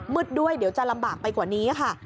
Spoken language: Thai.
ด้วยเดี๋ยวจะลำบากไปกว่านี้ค่ะ